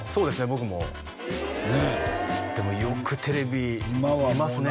僕もねえでもよくテレビ見ますね